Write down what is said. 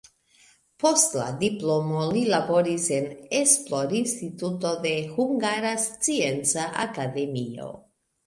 Post la diplomo li laboris en esplorinstituto de Hungara Scienca Akademio.